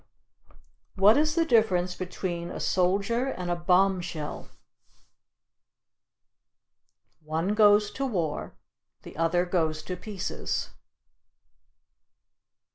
What is the difference between a soldier and a bombshell? One goes to war, the other goes to pieces.